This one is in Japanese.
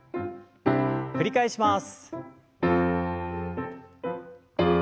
繰り返します。